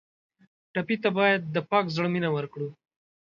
ټپي ته باید د پاک زړه مینه ورکړو.